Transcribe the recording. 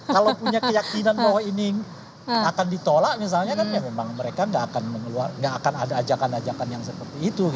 kalau punya keyakinan bahwa ini akan ditolak misalnya kan ya memang mereka tidak akan ada ajakan ajakan yang seperti itu